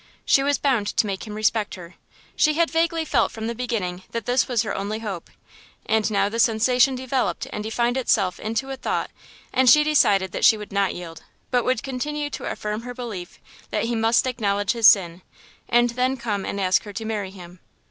She was bound to make him respect her. She had vaguely felt from the beginning that this was her only hope, and now the sensation developed and defined itself into a thought and she decided that she would not yield, but would continue to affirm her belief that he must acknowledge his sin, and then come and ask her to marry him.